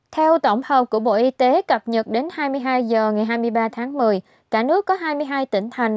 theo tổng hợp của bộ y tế cập nhật đến hai mươi hai h ngày hai mươi ba tháng một mươi cả nước có hai mươi hai tỉnh thành